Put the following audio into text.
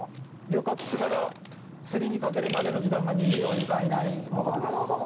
漁獲してから競りにかけるまでの時間が２４時間以内のことです。